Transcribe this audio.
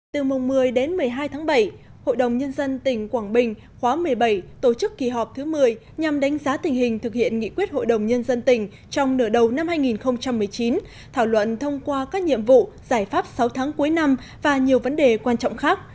từ mùng một mươi đến một mươi hai tháng bảy hội đồng nhân dân tỉnh quảng bình khóa một mươi bảy tổ chức kỳ họp thứ một mươi nhằm đánh giá tình hình thực hiện nghị quyết hội đồng nhân dân tỉnh trong nửa đầu năm hai nghìn một mươi chín thảo luận thông qua các nhiệm vụ giải pháp sáu tháng cuối năm và nhiều vấn đề quan trọng khác